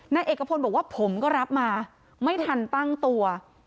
นายเอกพลบอกว่าผมก็รับมาไม่ทันตั้งตัว